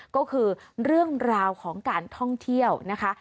ก็คือเรื่องราวของการท่องเที่ยวนะคะ